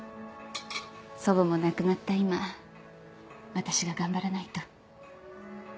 祖母も亡くなった今私が頑張らないと。